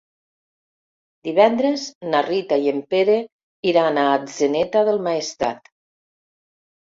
Divendres na Rita i en Pere iran a Atzeneta del Maestrat.